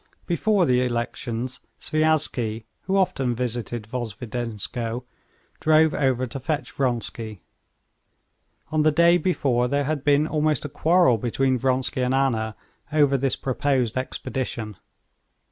Before the elections Sviazhsky, who often visited Vozdvizhenskoe, drove over to fetch Vronsky. On the day before there had been almost a quarrel between Vronsky and Anna over this proposed expedition.